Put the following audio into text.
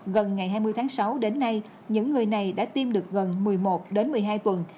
gần ngày hai mươi tháng sáu đến nay những người này đã tiêm được gần một mươi một đến một mươi hai tuần